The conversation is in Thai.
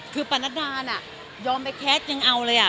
คือปันนัดนานอ่ะยอมไปแคสก์ยังเอาเลยอ่ะ